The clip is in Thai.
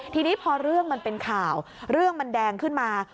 ทีนี้พอเรื่องมันเป็นข่าวเรื่องมันแดงขึ้นมา